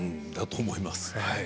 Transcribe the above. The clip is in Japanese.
だと思います。